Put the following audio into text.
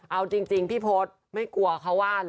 เอาจริงพี่พศไม่กลัวเขาว่าเหรอ